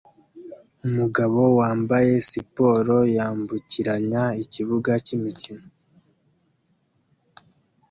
Umugabo wambaye siporo yambukiranya ikibuga cyimikino